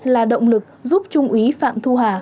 là động lực giúp trung ý phạm thu hà